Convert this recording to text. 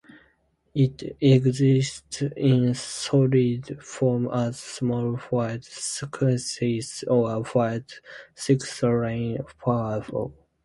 It exists in solid form as small white crystals or white crystalline powder.